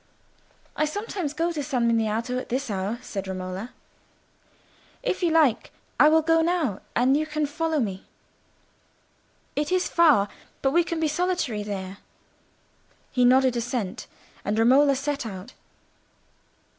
"I sometimes go to San Miniato at this hour," said Romola. "If you like, I will go now, and you can follow me. It is far, but we can be solitary there." He nodded assent, and Romola set out.